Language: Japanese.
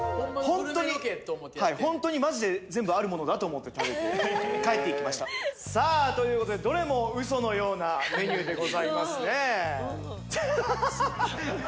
ホントにはいホントにマジで全部あるものだと思って食べて帰っていきましたさあということでどれもウソのようなメニューでございますねアハハハハ！